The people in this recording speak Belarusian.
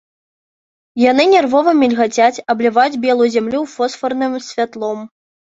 Яны нервова мільгацяць, абліваюць белую зямлю фосфарным святлом.